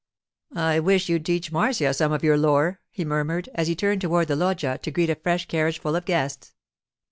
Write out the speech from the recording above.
'I wish you'd teach Marcia some of your lore,' he murmured, as he turned toward the loggia to greet a fresh carriageful of guests.